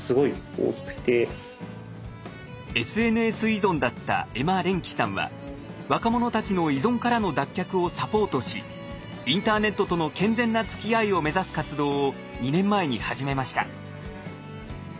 ＳＮＳ依存だったエマ・レンキさんは若者たちの依存からの脱却をサポートしインターネットとの健全なつきあいを目指す活動を２年前に始めました。